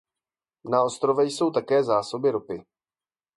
Na ostrově jsou také zásoby ropy.